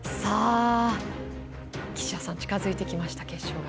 岸田さん、近づいてきました決勝が。